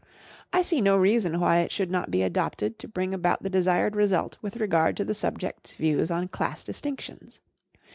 I see no reason why it should not he adopted to bring about the desired result with regard to the subject's views on class distinctions.